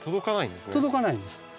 届かないんですね。